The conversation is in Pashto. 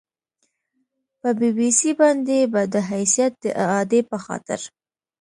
په بي بي سي باندې به د حیثیت د اعادې په خاطر